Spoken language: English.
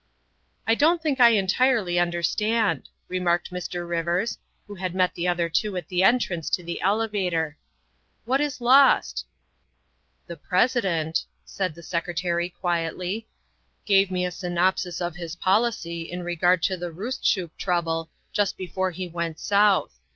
" I don't think I entirely understand," remarked Mr. Rivers, who had met the other two at the entrance to the elevator. '' What is lost ?''" The President," said the Secretary quietly, " gave me a synopsis of his policy in regard to the Roostchook trouble just before he went South.